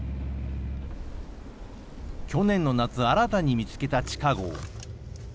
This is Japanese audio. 去年の夏、新たに見つけた地下ごう。